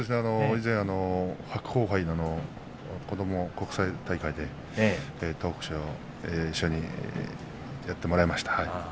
以前、白鵬杯で子ども国際大会でトークショーを一緒にやってもらいました。